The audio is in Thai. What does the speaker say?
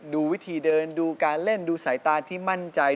ดูวิธีเดินดูการเล่นดูสายตาที่มั่นใจ